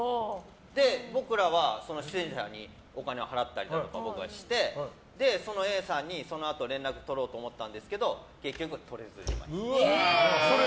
僕らは出演者にお金を払ったりとかしてそのＡさんに、そのあと連絡とろうと思ったんですけど結局、とれずじまい。